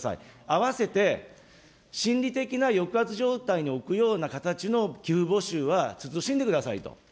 あわせて、心理的な抑圧状態に置くような形の寄付募集は慎んでくださいと。